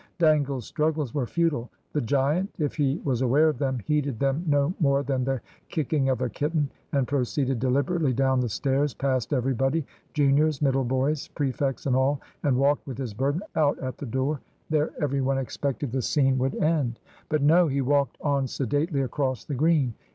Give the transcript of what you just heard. Dangle's struggles were futile. The giant, if he was aware of them, heeded them no more than the kicking of a kitten, and proceeded deliberately down the stairs, past everybody, juniors, middle boys, prefects and all, and walked with his burden out at the door. There every one expected the scene would end. But no. He walked on sedately across the Green.